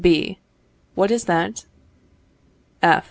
B. What is that? F.